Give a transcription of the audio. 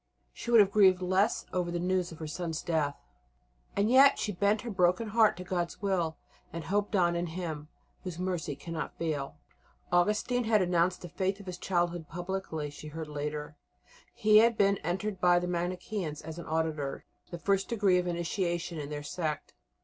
She would have grieved less over the news of her son's death. And yet she bent her broken heart to God's will, and hoped on in Him "Whose Mercy cannot fail." Augustine had renounced the Faith of his childhood publicly, she heard later; he had been entered by the Manicheans as an "auditor," the first degree of initiation in their sect.